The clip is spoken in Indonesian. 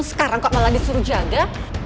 sekarang kok malah disuruh jaga